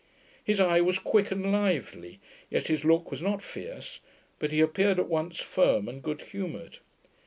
His eye was quick and lively, yet his look was not fierce, but he appeared at once firm and good humoured.